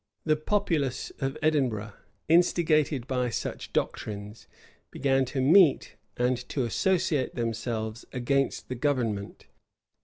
[] The populace of Edinburgh, instigated by such doctrines, began to meet and to associate themselves against the government.